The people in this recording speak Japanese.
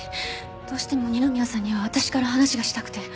どうしても二宮さんには私から話がしたくて。